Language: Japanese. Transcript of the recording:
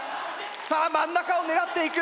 さあ真ん中を狙っていく。